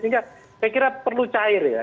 sehingga saya kira perlu cair ya